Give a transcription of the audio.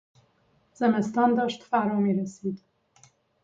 زمستان داشت فرا میرسید.